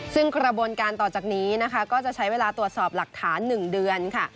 ซึ่งกระบวนการต่อจากนี้นะคะก็จะใช้เวลาตรวจสอบหลักฐาน๑เดือนค่ะ